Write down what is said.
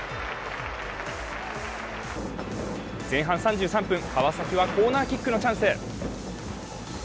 前半３３分、川崎はコーナーキックのチャンス。